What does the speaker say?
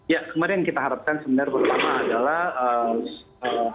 ya kemarin yang kita harapkan sebenarnya pertama adalah